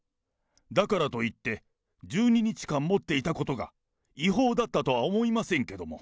だからといって、１２日間持っていたことが、違法だったとは思いませんけども。